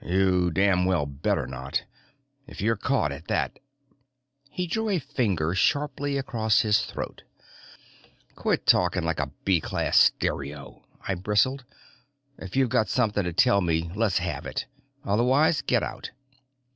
"You damn well better not. If you're caught at that " He drew a finger sharply across his throat. "Quit talking like a B class stereo," I bristled. "If you've got something to tell me, let's have it. Otherwise get out."